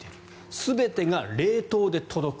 全てが冷凍で届く。